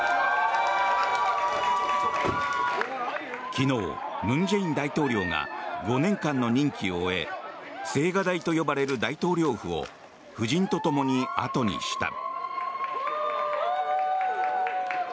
昨日、文在寅大統領が５年間の任期を終え青瓦台と呼ばれる大統領府を夫人とともに後にした。